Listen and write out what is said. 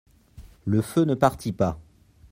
Le feu ne partit pas.